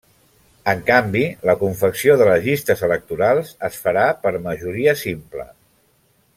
En canvi, la confecció de les llistes electorals es farà per majoria simple.